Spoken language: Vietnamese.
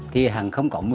thì không có mùi hôi nữa